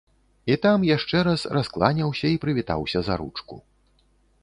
І там яшчэ раз раскланяўся і прывітаўся за ручку.